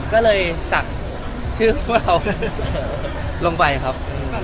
ก็เลยฐักชื่อของเราลงไปครับ